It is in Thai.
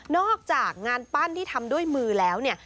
อกจากงานปั้นที่ทำด้วยมือแล้วเนี่ย